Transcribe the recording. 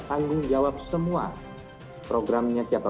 tanggung jawab semua programnya siapa